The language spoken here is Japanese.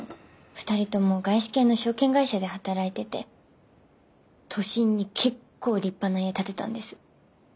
二人とも外資系の証券会社で働いてて都心に結構立派な家建てたんです。